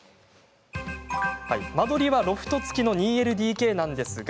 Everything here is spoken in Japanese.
間取りはロフト付きの２ＬＤＫなんですが